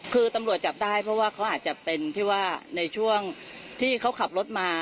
คือตำรวจจับได้เพราะว่าเขาอาจจะเป็นที่ว่าในช่วงที่เขาขับรถมา